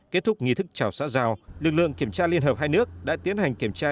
kết thúc nghi thức trào xã giao lực lượng kiểm tra liên hợp hai nước đã tiến hành kiểm tra